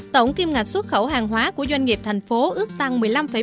tổng kim ngạch xuất khẩu hàng hóa của doanh nghiệp thành phố ước tăng một mươi năm năm